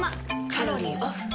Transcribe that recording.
カロリーオフ。